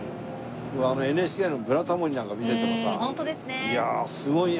ＮＨＫの『ブラタモリ』なんか見ててもさ「いやあすごいな。